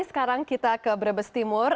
sekarang kita ke brebes timur